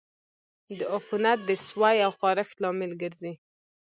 دا عفونت د سوي او خارښت لامل ګرځي.